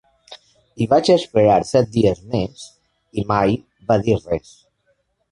I vaig esperar set dies més i mai va dir res.